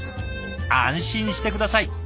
安心して下さい！